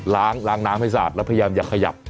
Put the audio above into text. ล้างล้างน้ำให้สะอาดแล้วพยายามอย่าขยับ